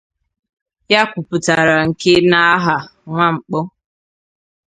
ya kwupụtara nke n'aha Nwankpọ